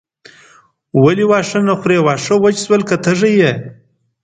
ولې واښه نه خورې واښه وچ شول که تږې یې.